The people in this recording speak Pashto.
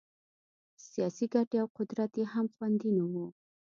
سیاسي ګټې او قدرت یې هم خوندي نه وو.